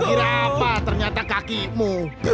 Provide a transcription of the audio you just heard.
kukira apa ternyata kakimu